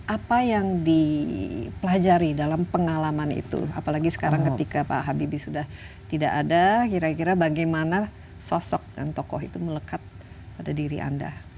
apa yang dipelajari dalam pengalaman itu apalagi sekarang ketika pak habibie sudah tidak ada kira kira bagaimana sosok dan tokoh itu melekat pada diri anda